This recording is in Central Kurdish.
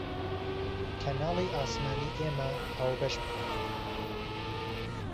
کەناڵی ئاسمانی ئێمە هاوبەش بکە